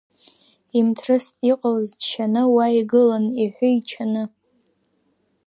Имҭрыст иҟалаз џьшьаны, уа игылан иҳәы-ичаны.